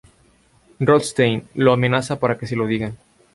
Rothstein lo amenaza para que se lo diga.